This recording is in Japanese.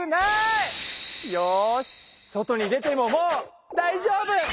よし外に出てももうだいじょうぶ！